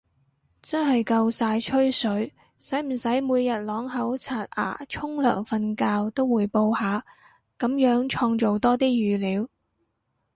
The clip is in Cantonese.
真係夠晒吹水，使唔使每日啷口刷牙沖涼瞓覺都滙報下，噉樣創造多啲語料